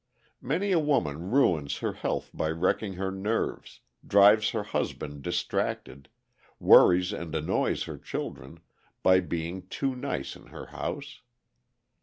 Many a woman ruins her health by wrecking her nerves, drives her husband distracted, worries and annoys her children, by being too nice in her house.